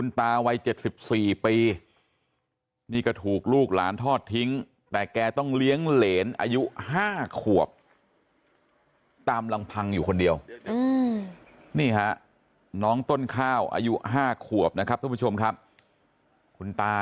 นี่ค่ะน้องต้นข้าวอายุห้าขวบนะครับทุกผู้ชมครับคุณตา